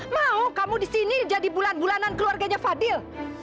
mau kamu di sini jadi bulan bulanan keluarganya fadil